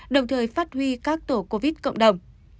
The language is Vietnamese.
đồng thời phát huy các tổ covid cộng đồng